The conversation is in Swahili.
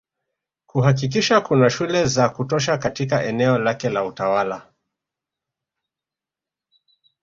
Kuhakikisha kuna shule za kutosha katika eneo lake la utawala